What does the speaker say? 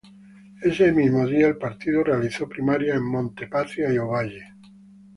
Ese mismo día el partido realizó primarias en Monte Patria y Ovalle.